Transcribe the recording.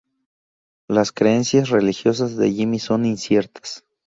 Las creencias religiosas de Jimmy son inciertas.